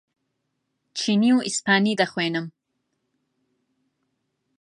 چینی و ئیسپانی دەخوێنم.